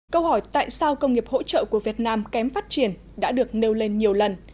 câu hỏi tại sao công nghiệp hỗ trợ của việt nam kém phát triển đã được nêu lên nhiều lần